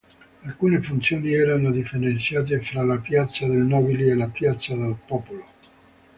Alcune funzioni erano differenziate fra la Piazza dei Nobili e la Piazza del Popolo.